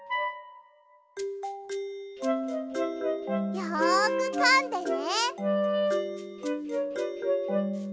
よくかんでね。